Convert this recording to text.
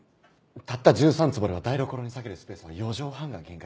たった１３坪では台所に割けるスペースは４畳半が限界です。